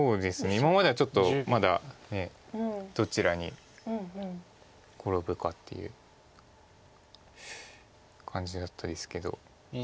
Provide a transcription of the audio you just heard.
今まではちょっとまだどちらに転ぶかっていう感じだったですけど。